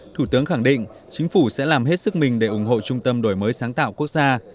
thủ tướng khẳng định chính phủ sẽ làm hết sức mình để ủng hộ trung tâm đổi mới sáng tạo quốc gia